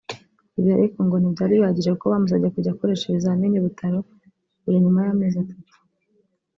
Ibi ariko ngo ntibyari bihagije kuko bamusabye kujya akoresha ibizamini i Butaro buri nyuma y’amezi atatu